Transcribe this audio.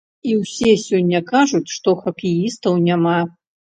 І ўсе сёння кажуць, што хакеістаў няма.